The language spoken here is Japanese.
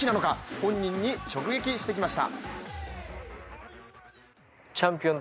本人に直撃してきました。